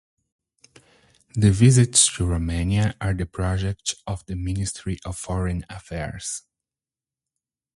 The visits to Romania are the project of the Ministry of Foreign Affairs.